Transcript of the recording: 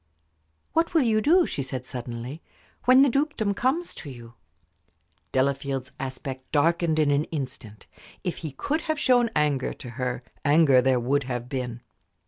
"What will you do," she said, suddenly, "when the dukedom comes to you?" Delafield's aspect darkened in an instant. If he could have shown anger to her, anger there would have been.